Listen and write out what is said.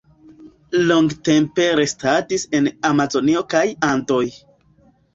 Longtempe restadis en Amazonio kaj Andoj.